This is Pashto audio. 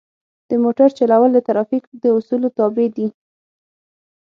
د موټر چلول د ترافیک د اصولو تابع دي.